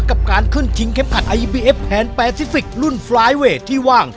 กับการขึ้นชิงเข็มขัดไอบีเอฟแผนแปซิฟิกรุ่นไฟล์เวทที่ว่าง